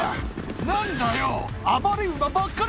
何だよ。